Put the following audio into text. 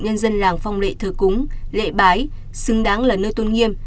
nhân dân làng phong lệ thờ cúng lễ bái xứng đáng là nơi tôn nghiêm